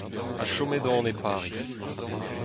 Ha chomet on e Pariz.